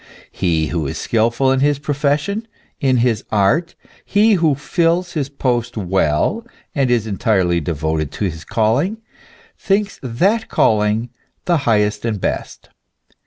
He who is skilful in his profession, in his art, he who fills his post well, and is entirely devoted to his calling, thinks that calling the highest and best.